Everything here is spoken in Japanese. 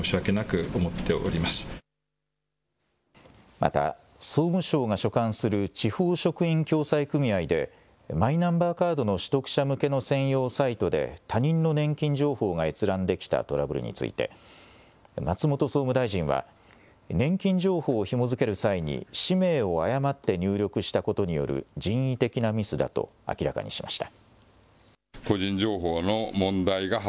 また、総務省が所管する地方職員共済組合で、マイナンバーカードの取得者向けの専用サイトで、他人の年金情報が閲覧できたトラブルについて、松本総務大臣は、年金情報をひも付ける際に、氏名を誤って入力したことによる人為的なミスだと明らかにしました。